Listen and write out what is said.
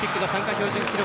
標準記録